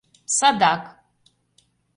— Садак...